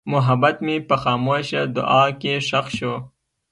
محبت مې په خاموشه دعا کې ښخ شو.